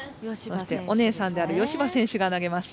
お姉さんである吉葉選手が投げます。